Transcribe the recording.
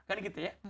kan gitu ya